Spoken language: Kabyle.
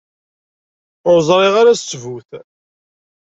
Ur ẓriɣ ara s ttbut.